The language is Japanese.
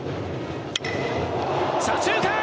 左中間